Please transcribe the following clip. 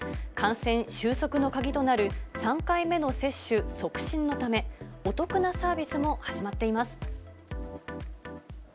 感染収束の鍵となる３回目の接種促進のため、お得なサービスも始まっています。